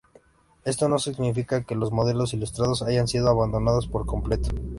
Esto no significa que los modelos ilustrados hayan sido abandonados por completo.